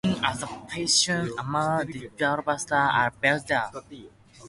Crearon así la tierra y el mar, dejando paso a la vegetación.